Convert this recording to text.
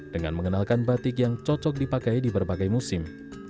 dengan mengenalkan batik yang cocok dipakai di berbagai musim